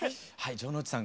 城之内さん